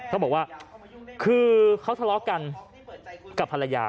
เขาบอกว่าคือเขาทะเลาะกันกับภรรยา